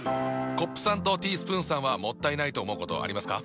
コップさんとティースプーンさんはもったいないと思うことありますか？